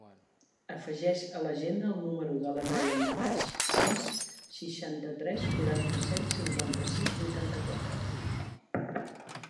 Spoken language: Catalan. Afegeix a l'agenda el número de la Naia Mataix: sis, seixanta-tres, quaranta-set, cinquanta-sis, vuitanta-quatre.